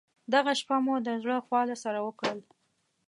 دغه شپه مو د زړه خواله سره وکړل.